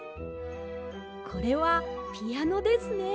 これはピアノですね。